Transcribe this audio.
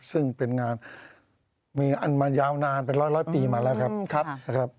ซึ่งเป็นงานมีอันมายาวนานเป็นร้อยปีมาแล้วครับ